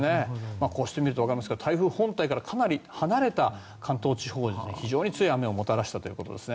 こうして見るとわかりますが台風本体からかなり離れた関東地方に非常に強い雨をもたらしたということです。